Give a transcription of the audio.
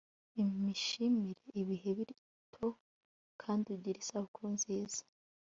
ishimire ibihe bito kandi ugire isabukuru nziza